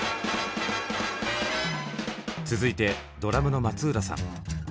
続いてドラムの松浦さん。